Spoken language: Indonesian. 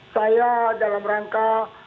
saya dalam rangka